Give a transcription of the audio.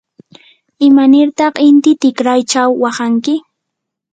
¿imanirtaq inti tikraychaw waqanki?